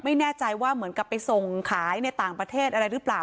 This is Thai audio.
ไม่แน่ใจว่าเหมือนกับไปส่งขายในต่างประเทศอะไรหรือเปล่า